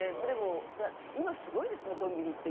今すごいですね、コンビニって。